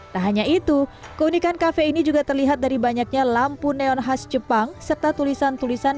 tak hanya itu keunikan kafe ini juga terlihat dari banyaknya lampu neon khas jepang serta tulisan tulisan